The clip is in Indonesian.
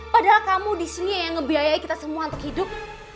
padahal kamu di sini yang ngebiayai kita semua untuk hidup